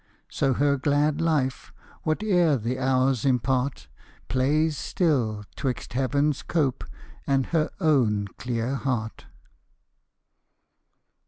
So her glad life, whate'er the hours impart, Plays still 'twixt heaven's cope and her own clear heart.